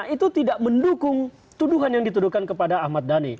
itu tidak mendukung tuduhan yang dituduhkan kepada ahmad dhani